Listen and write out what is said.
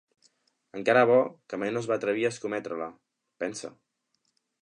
Encara bo que mai no es va atrevir a escometre-la, pensa.